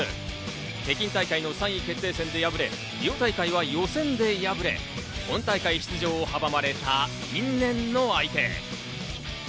北京大会の３位決定戦で敗れ、リオ大会は予選で敗れ、本大会出場を阻まれた因縁の相手。